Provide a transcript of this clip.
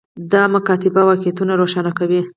دا مکاتبه واقعیتونه روښانه کوي.